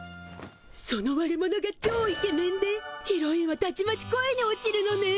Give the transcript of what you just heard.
その悪者がちょうイケメンでヒロインはたちまち恋に落ちるのね！